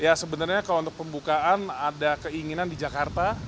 ya sebenarnya kalau untuk pembukaan ada keinginan di jakarta